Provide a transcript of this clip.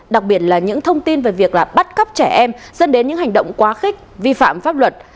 đặc biệt là những thông tin về việc là bắt cóc trẻ em dẫn đến những hành động quá khích vi phạm pháp luật